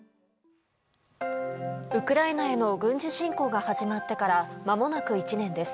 ウクライナへの軍事侵攻が始まってからまもなく１年です。